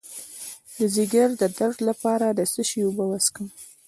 د ځیګر د درد لپاره د څه شي اوبه وڅښم؟